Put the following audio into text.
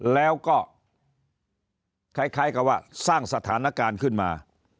แล้วก็คล้ายกับว่าสร้างสถานการณ์ขึ้นมา